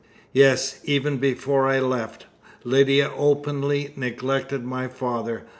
"Yes; even before I left, Lydia openly neglected my father.